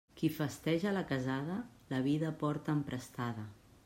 Qui festeja la casada, la vida porta emprestada.